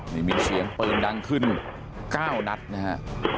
นี่มีเสียงปืนดังขึ้น๙นัดนะฮะ